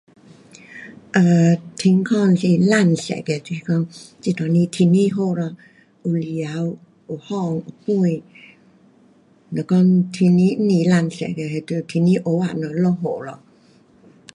um 天空是蓝色的，是讲这阵时天气好咯，有太阳。有风，有屁，若讲天气不蓝色的，天气黑暗咯，落雨咯。